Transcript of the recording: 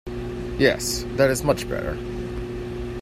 Yes, that is much better.